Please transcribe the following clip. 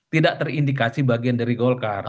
tidak terindikasi bagian dari golkar